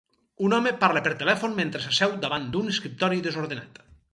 Un home parla per telèfon mentre s'asseu davant d'un escriptori desordenat.